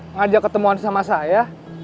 ngajak ketemuan sama saya